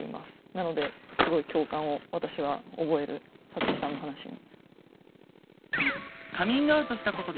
なのですごい共感を私は覚えるサツキさんの話に。